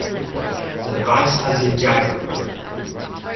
The device has a gyro motor.